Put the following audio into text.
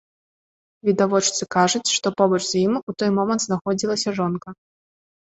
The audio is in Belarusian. Відавочцы кажуць, што побач з ім у той момант знаходзілася жонка.